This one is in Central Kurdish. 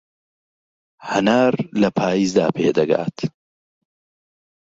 هەنار لە پایزدا پێدەگات.